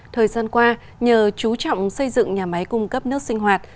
thời gian qua nhờ chú trọng xây dựng nhà máy cung cấp nước sinh hoạt